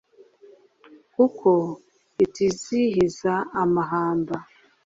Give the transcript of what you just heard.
kuko itizihiza amahamba